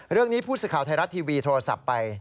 เรื่องนี้พูดสุข่าวไทยรัตน์ทีวีโทรศัพท์ไป